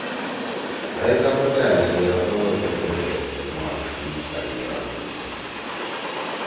تھأئےکا پتہ أشی یرأ قَوَر سی دھیر زید ہے ماݜ ہیِن قائد اعظم تُھو